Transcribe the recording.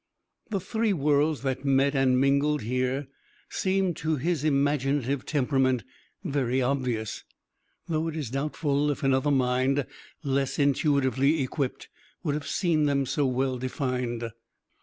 The three worlds that met and mingled here seemed to his imaginative temperament very obvious, though it is doubtful if another mind less intuitively equipped would have seen them so well defined.